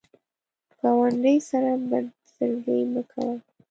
ګاونډي سره بد زړګي مه کوه